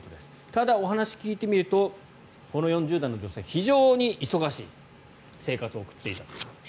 ただ、お話を聞いてみるとこの４０代の女性は非常に忙しい生活を送っていたと。